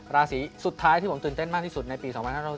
ราศีสุดท้ายที่ผมตื่นเต้นมากที่สุดในปี๒๕๖๒